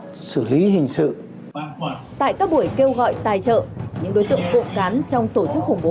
và xử lý hình sự tại các buổi kêu gọi tài trợ những đối tượng cộng cán trong tổ chức khủng bố